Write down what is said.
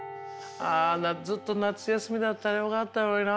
ずっと夏休みだったらよかったのにな。